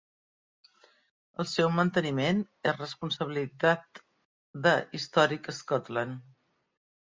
El seu manteniment és responsabilitat de Historic Scotland.